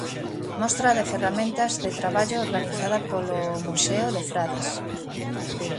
Mostra de ferramentas de traballo organizada polo Museo de Frades.